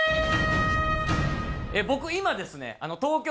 僕今ですね東京